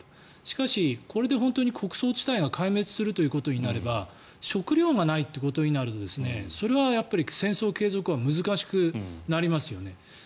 しかしこれで本当に穀倉地帯が壊滅することになれば食糧がないということになるとそれは戦争継続は難しくなりますよね。